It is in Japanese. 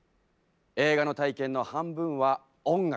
映画の体験の半分は音楽だと。